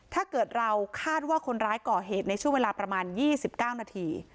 ถ้าเกิดเราคาดว่าคนร้ายก่อเหตุในช่วงเวลาประมาณ๒๙นาที